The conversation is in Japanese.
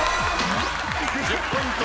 １０ポイント